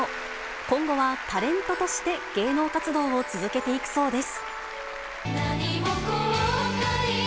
今後はタレントとして芸能活動を続けていくそうです。